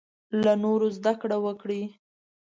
له نورو زده کړه وکړې.